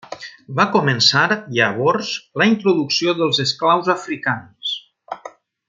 Va començar, llavors, la introducció dels esclaus africans.